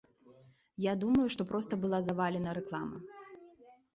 Я думаю, што проста была завалена рэклама.